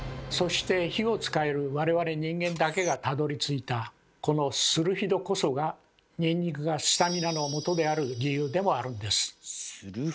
そして火を使える我々人間だけがたどりついたこのスルフィドこそがニンニクがスタミナのもとである理由でもあるんです。